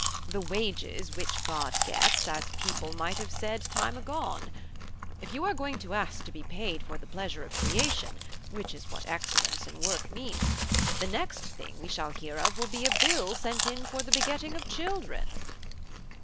The wages which God gets, as people might have said time agone. If you are going to ask to be paid for the pleasure of creation, which is what excellence in work means, the next thing we shall hear of will be a bill sent in for the begetting of children."